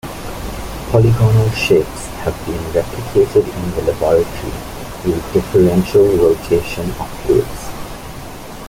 Polygonal shapes have been replicated in the laboratory through differential rotation of fluids.